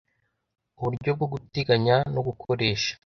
uburyo bwo guteganya no gukoresha